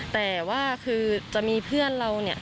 แต่ว่าคือจะมีเพื่อนเรา